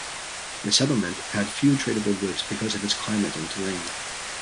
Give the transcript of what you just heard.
The settlement had few tradable goods because of its climate and terrain.